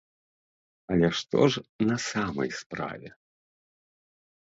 Але што ж на самай справе?